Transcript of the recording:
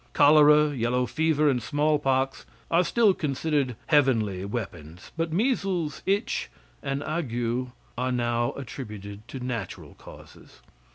Cholera, yellow fever, and smallpox are still considered heavenly weapons; but measles, itch and ague are now attributed to natural causes.